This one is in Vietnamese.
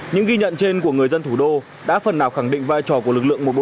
những ghi nhận trên của người dân thủ đô đã phần nào khẳng định vai trò của lực lượng một trăm một